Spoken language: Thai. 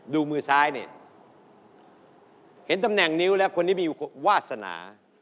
ดูมือซ้ายเนี่ยเห็นตำแหน่งนิ้วแล้วคนนี้มีอยู่วาสนา